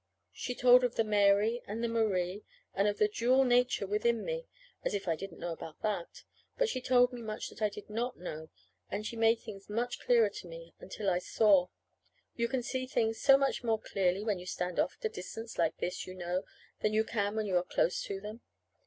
She told of the Mary and the Marie, and of the dual nature within me. (As if I didn't know about that!) But she told me much that I did not know, and she made things much clearer to me, until I saw You can see things so much more clearly when you stand off at a distance like this, you know, than you can when you are close to them!